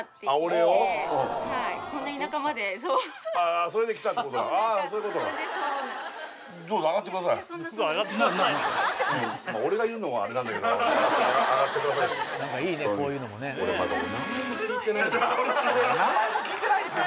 俺まだお名前も聞いてないんですよ